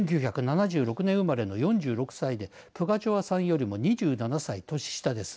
１９７６年生まれの４６歳でプガチョワさんよりも２７歳年下です。